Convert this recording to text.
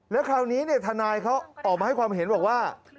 แล้วคราวนี้ทนายเขาออกมาให้ความเห็นบอกว่า